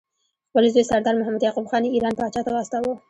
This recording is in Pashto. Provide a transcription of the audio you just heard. خپل زوی سردار محمد یعقوب خان یې ایران پاچا ته واستاوه.